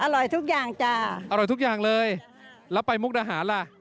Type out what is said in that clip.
ทุกอย่างจ้ะอร่อยทุกอย่างเลยแล้วไปมุกดาหารล่ะ